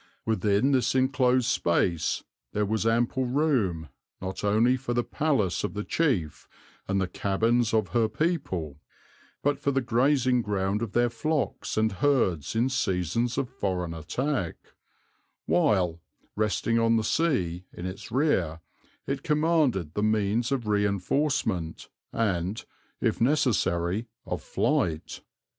Within this enclosed space there was ample room, not only for the palace of the chief and the cabins of her people, but for the grazing ground of their flocks and herds in seasons of foreign attack; while, resting on the sea in its rear, it commanded the means of reinforcement and, if necessary, of flight.